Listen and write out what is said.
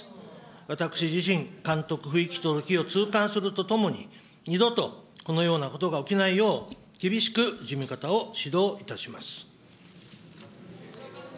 私自身、監督不行き届きを痛感するとともに、二度とこのようなことが起きないよう、厳しく事務方を指導いたします。